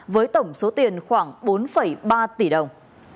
với tổng số tiền khoảng bốn ba tỷ đồng